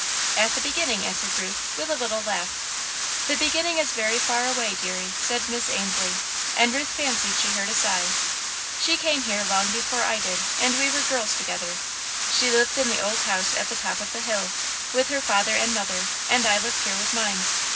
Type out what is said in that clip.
"At the beginning," answered Ruth, with a little laugh. "The beginning is very far away, deary," said Miss Ainslie, and Ruth fancied she heard a sigh. "She came here long before I did, and we were girls together. She lived in the old house at the top of the hill, with her father and mother, and I lived here with mine.